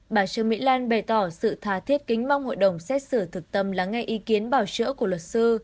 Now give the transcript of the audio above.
bà trương mỹ lan bày tỏ sự thà thiết kính mong hội đồng xét xử thực tâm lắng nghe ý kiến bảo chữa của luật sư